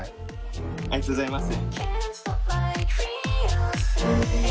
ありがとうございます。